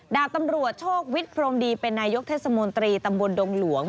ดาบตำรวจโชควิทย์พรมดีเป็นนายกเทศมนตรีตำบลดงหลวง